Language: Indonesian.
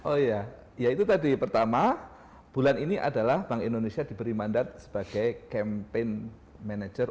oh iya ya itu tadi pertama bulan ini adalah bank indonesia diberi mandat sebagai campaign manager